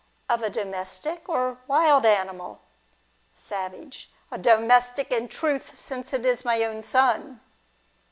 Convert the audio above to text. Of a domestic, or wild animal ? Savage. Domestic, in truth, since it is my own son.